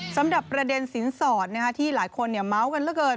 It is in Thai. สำหรับประเด็นสินสอดที่หลายคนเมาส์กันเหลือเกิน